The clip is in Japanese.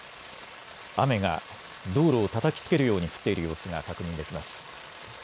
雨が道路をたたきつけるように降っている様子が確認できます。